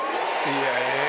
「いや“ええ！？”